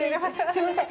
すみません。